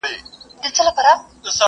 زه پوهېږم شیدې سپیني دي غوا توره٫